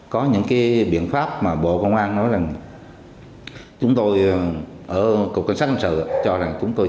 có những biện pháp mà bộ công an nói rằng chúng tôi ở cục cảnh sát hành sự cho rằng chúng tôi